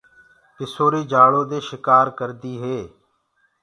مڪڙيٚ ڃآرو دي گھر تيآر ڪردي هي۔